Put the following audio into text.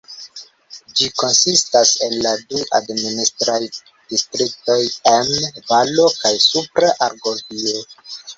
Ĝi konsistas el la du administraj distriktoj Emme-Valo kaj Supra Argovio.